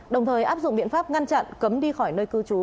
đồng thời áp dụng biện pháp ngăn chặn cấm đi khỏi nơi cư trú